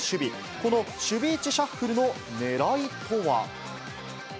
この守備位置シャッフルのねらいとは。